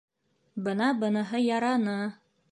— Бына быныһы яраны.